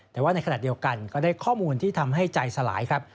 แต่ว่าในขณะเดียวกันก็ได้ข้อมูลที่ทำให้ใจสลายครับ